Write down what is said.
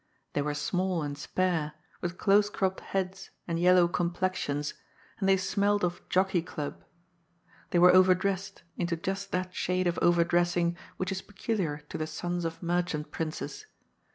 They were small and spare, with close cropped heads and yellow complexions, and they smelt of " Jockey Club." They were over dressed, into just that shade of over dressing which is peculiar to the sons of mer 1 «LIKB A STREAM UNDER A WILLOW TREE. 83 chant princes.